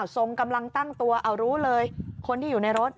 ทรงกำลังตั้งตัวเอารู้เลยคนที่อยู่ในรถ